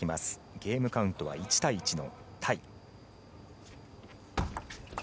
ゲームカウントは１対１のタイ。